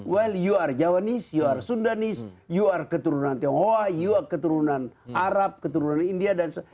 keturunan anda jawa anda sunda anda tionghoa anda arab anda india